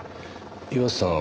岩瀬さん